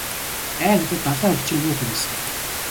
Ай надад далайн өвчин бүү хүрээсэй.